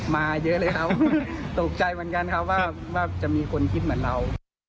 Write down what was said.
มาเยอะเลยครับตกใจเหมือนกันครับว่าจะมีคนคิดเหมือนเรา